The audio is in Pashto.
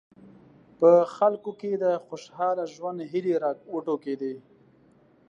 په خلکو کې د خوشاله ژوند هیلې راوټوکېدې.